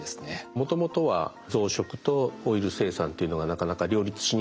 もともとは増殖とオイル生産というのがなかなか両立しにくい。